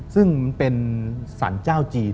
ซึ่งเป็นสารเจ้าจีน